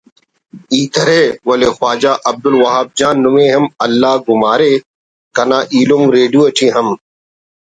ہیت ارے ولے خواجہ عبدالوہاب جان نمے ہم اللہ گمارے کنا ایلم ریڈیو ٹی ہم